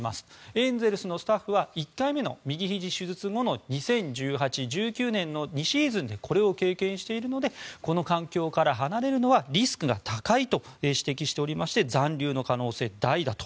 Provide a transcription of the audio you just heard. エンゼルスのスタッフは１回目の右ひじ手術後の２０１８、１９年の２シーズンでこれを経験しているのでこの環境から離れるのはリスクが高いと指摘しておりまして残留の可能性大だと。